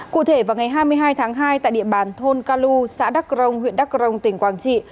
cụ thể vào ngày hai mươi hai tháng hai tại địa bàn thôn ca lu xã đắc rông huyện đắc rông tỉnh quảng trị